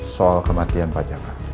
soal kematian pak jaka